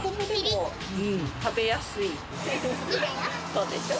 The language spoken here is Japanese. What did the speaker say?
そうでしょ？